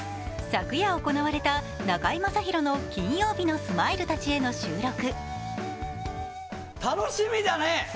昨夜行われた「中居正広の金曜日のスマイルたちへ」の収録。